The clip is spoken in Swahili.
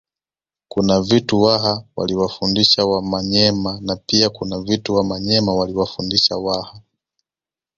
Kuna vitu Waha waliwafundisha Wamanyema na pia kuna vitu Wamanyema waliwafundisha Waha